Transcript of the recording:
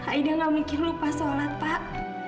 aida gak mikir lupa sholat pak